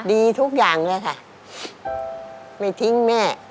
ดีทุกอย่างเลยค่ะไม่ทิ้งแม่